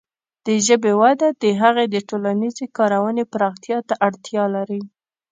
د ژبې وده د هغې د ټولنیزې کارونې پراختیا ته اړتیا لري.